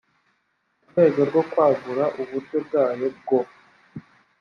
mu rwego rwo kwagura uburyo bwayo bwo